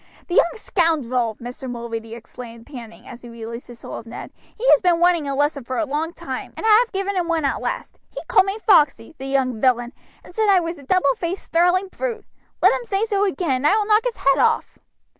"The young scoundrel!" Mr. Mulready exclaimed, panting, as he released his hold of Ned; "he has been wanting a lesson for a long time, and I have given him one at last. He called me Foxey, the young villain, and said I was a double faced snarling brute; let him say so again and I will knock his head off."